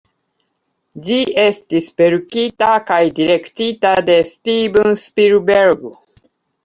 Ĝi estis verkita kaj direktita de Steven Spielberg.